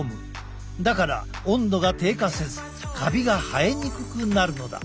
だから温度が低下せずカビが生えにくくなるのだ。